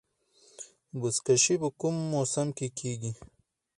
بزکشي په کوم موسم کې کیږي؟